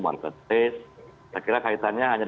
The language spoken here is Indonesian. market place saya kira kaitannya hanya